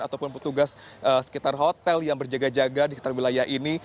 ataupun petugas sekitar hotel yang berjaga jaga di sekitar wilayah ini